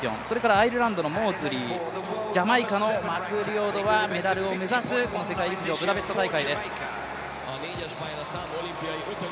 アイルランドのモーズリー、ジャマイカのマクリオドはメダルを目指すこの世界陸上ブダペストです。